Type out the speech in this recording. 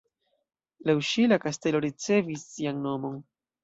Laŭ ŝi la kastelo ricevis sian nomon.